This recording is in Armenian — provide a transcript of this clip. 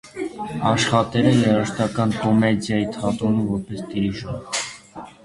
Աշխատել է երաժշտական կոմեդիայի թատրոնում որպես դիրիժոր։